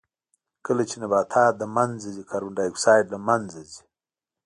کله چې نباتات له منځه ځي کاربن ډای اکسایډ له منځه ځي.